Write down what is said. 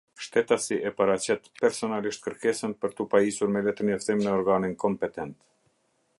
Shtetasi e paraqet personalisht kërkesën për tu pajisur me letërnjoftim në organin kompetent.